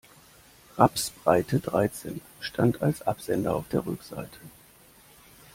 Rapsbreite dreizehn stand als Absender auf der Rückseite.